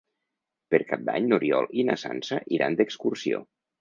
Per Cap d'Any n'Oriol i na Sança iran d'excursió.